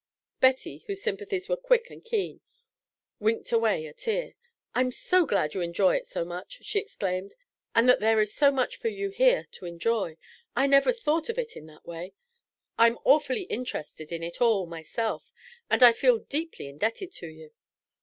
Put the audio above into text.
Betty, whose sympathies were quick and keen, winked away a tear. "I'm so glad you enjoy it so much," she exclaimed, "and that there is so much for you here to enjoy. I never thought of it in that way. I'm awfully interested in it all, myself, and I feel deeply indebted to you."